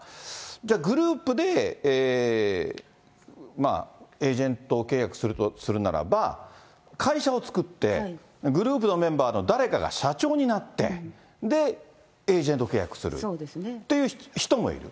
じゃあ、グループでエージェント契約するとするならば、会社を作って、グループのメンバーの誰かが社長になって、で、そうですね。っていう人もいる。